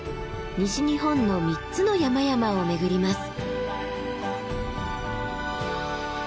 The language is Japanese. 西日本の３つの山々を巡ります。